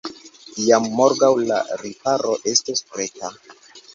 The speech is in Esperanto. Jam morgaŭ la riparo estus preta.